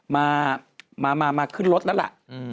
มามาขึ้นรถนั่นแหละ